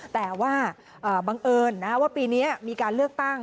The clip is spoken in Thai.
แต่ว่าบังเอิญว่าปีนี้มีการเลือกตั้ง